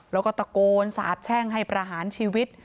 แล้วก็ตะโกนสาบแช่งให้ประหารชีวิต